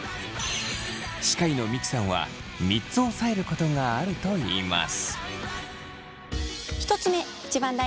歯科医の三木さんは３つおさえることがあるといいます。